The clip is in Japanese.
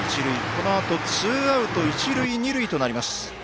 このあとツーアウト一塁二塁となります。